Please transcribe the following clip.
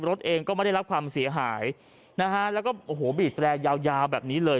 รถเองก็ไม่ได้รับความเสียหายนะฮะแล้วก็โอ้โหบีดแรยาวยาวแบบนี้เลย